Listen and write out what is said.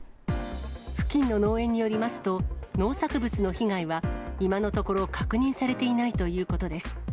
付近の農園によりますと、農作物の被害は今のところ確認されていないということです。